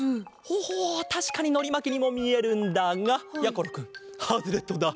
ほほうたしかにのりまきにもみえるんだがやころくんハズレットだ。